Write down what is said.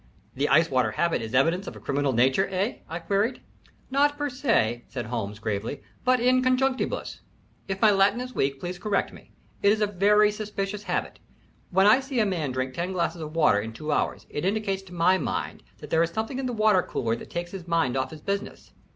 "The ice water habit is evidence of a criminal nature, eh?" I queried. "Not per se," said Holmes, gravely, "but in conjunctibus if my Latin is weak, please correct me it is a very suspicious habit. When I see a man drink ten glasses of water in two hours it indicates to my mind that there is something in the water cooler that takes his mind off his business.